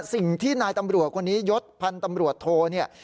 สิ่งที่นายตำรวจคนนี้ยศพันธ์ตำรวจโทเนี่ย